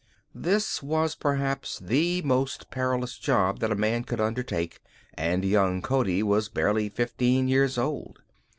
This was perhaps the most perilous job that a man could undertake, and young Cody was barely fifteen years old.